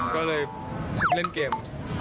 ก็เลยเล่นเกม